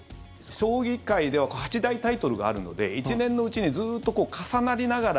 将棋界では八大タイトルがあるので１年のうちにずっと重なりながら。